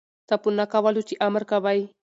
څه په نه کولو چی امر کوی